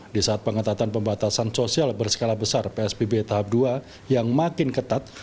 di saat pengetatan pembatasan sosial berskala besar psbb tahap dua yang makin ketat